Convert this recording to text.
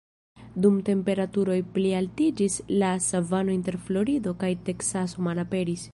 Dum temperaturoj plialtiĝis, la savano inter Florido kaj Teksaso malaperis.